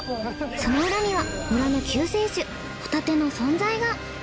その裏には村の救世主ホタテの存在が。